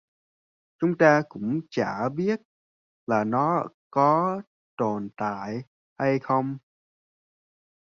Chúng ta cũng chả biết là nó có tồn tại hay không